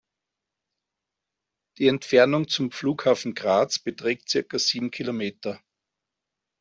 Die Entfernung zum Flughafen Graz beträgt circa sieben Kilometer.